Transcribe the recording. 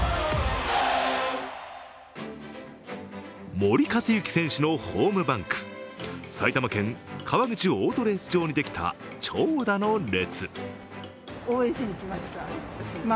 森且行選手のホームバンク埼玉県川口オートレース場にできた長蛇の列。